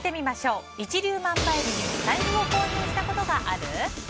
一粒万倍日に財布を購入したことがある？